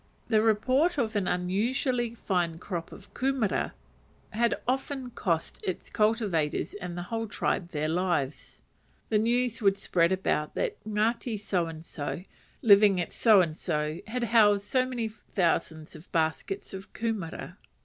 The report of an unusually fine crop of kumera had often cost its cultivators and the whole tribe their lives. The news would spread about that Ngati so and so, living at so and so, had housed so many thousands of baskets of kumera.